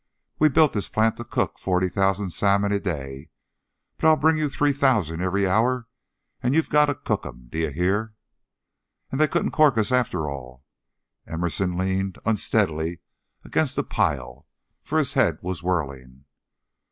"We built this plant to cook forty thousand salmon a day, but I'll bring you three thousand every hour, and you've got to cook 'em. Do you hear?" "And they couldn't cork us, after all!" Emerson leaned unsteadily against a pile, for his head was whirling.